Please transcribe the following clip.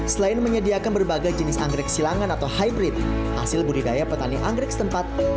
selain menyediakan berbagai jenis anggrek silangan atau hybrid hasil budidaya petani anggrek setempat